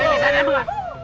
ini bisa diem gak